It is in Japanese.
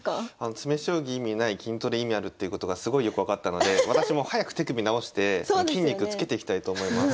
詰将棋意味ない筋トレ意味あるっていうことがすごいよく分かったので私も早く手首治して筋肉つけていきたいと思います。